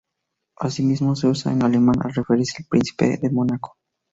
Asimismo se usa en alemán al referirse al Príncipe de Mónaco.